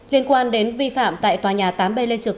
liên quan đến vi phạm tại tòa nhà tám b lê trực